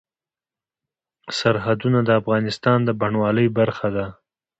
سرحدونه د افغانستان د بڼوالۍ برخه ده.